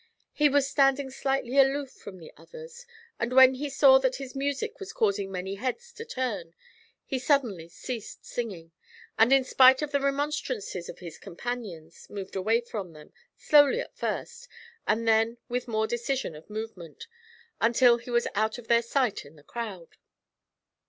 He was standing slightly aloof from the others, and when he saw that his music was causing many heads to turn, he suddenly ceased singing, and in spite of the remonstrances of his companions, moved away from them, slowly at first, and then with more decision of movement, until he was out of their sight in the crowd.